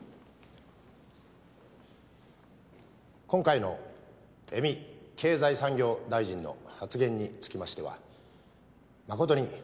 今回の江見経済産業大臣の発言につきましては誠に。